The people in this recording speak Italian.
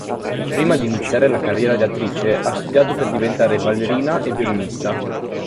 Prima di iniziare la carriera di attrice, ha studiato per diventare ballerina e violinista.